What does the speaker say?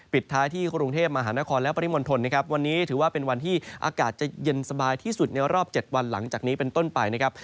ปิดท้ายที่กรุงเทพมหานครและปริมณฑลนะครับวันนี้ถือว่าเป็นวันที่อากาศจะเย็นสบายที่สุดในรอบ๗วันหลังจากนี้เป็นต้นไปนะครับ